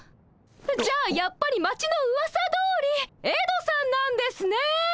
じゃあやっぱり町のうわさどおりエドさんなんですね。